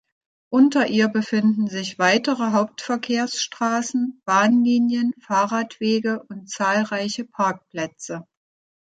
Unter ihr befinden sich weitere Hauptverkehrsstraßen, Bahnlinien, Fahrradwege und zahlreiche Parkplätze.